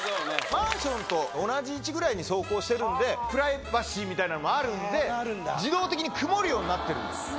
マンションと同じ位置ぐらいに走行してるんで、プライバシーみたいなのもあるんで、自動的に曇るようになってるんです。